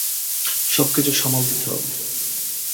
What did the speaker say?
সবকিছু সামাল দিতে হবে।